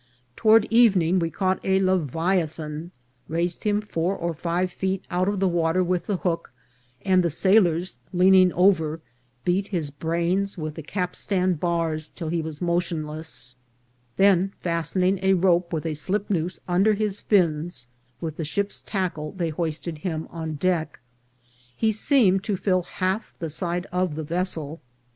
To ward evening we caught a leviathan, raised him four or five feet out of the water with the hook, and the sail ors, leaning over, beat his brains with the capstan bars till he was motionless ; then fastening a rope with a slipnoose under his fins, with the ship's tackle they hoisted him on deck. He seemed to fill half the side of the vessel.